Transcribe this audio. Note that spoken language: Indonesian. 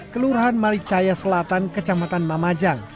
kelurahan maricaya selatan kecamatan mamajang